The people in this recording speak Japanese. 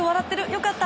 良かった。